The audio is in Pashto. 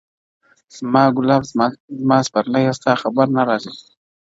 زما گلاب زما سپرليه، ستا خبر نه راځي.